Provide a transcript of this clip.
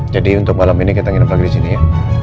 jadi untuk malam ini kita nginep lagi di sini ya